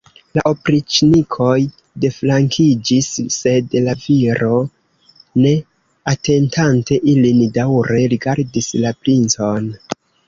La opriĉnikoj deflankiĝis, sed la viro, ne atentante ilin, daŭre rigardis la princon.